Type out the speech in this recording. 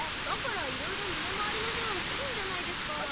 だからいろいろ身の回りの世話をしてるんじゃないですか。